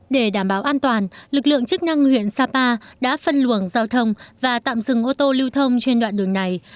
để đảm bảo an toàn lực lượng chức năng huyện sapa đã phân luồng giao thông và tạm dừng ô tô lưu thông trên đoạn đường này